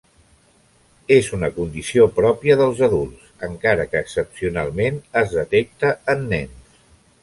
És una condició pròpia dels adults, encara que excepcionalment es detecta en nens.